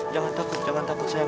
jangan takut jangan takut saya